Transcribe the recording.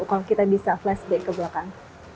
kalau kita bisa flashback ke belakang